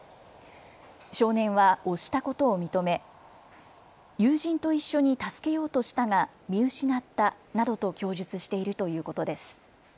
少年は押したことを認め友人と一緒に助けようとしたが、見失ったなどと供述しているということです。